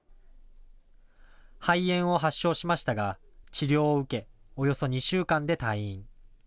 肺炎を発症しましたが治療を受け、およそ２週間で退院。